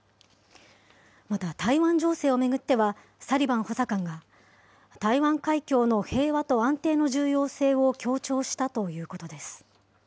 また台湾情勢を巡っては、サリバン補佐官が、台湾海峡の平和と安定の重要性を強調したということです。